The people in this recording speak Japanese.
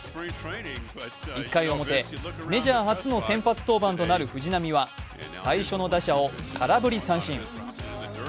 １回の表、メジャー初の先発登板となる藤浪は最初の打者を空振り三振。